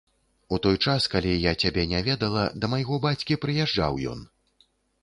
У той час, калі я цябе не ведала, да майго бацькі прыязджаў ён.